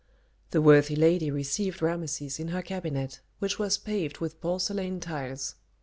The worthy lady received Rameses in her cabinet, which was paved with porcelain tiles.